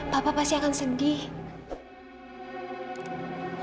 papa pasti akan sedih